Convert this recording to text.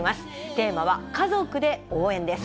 テーマは「家族で応援！」です。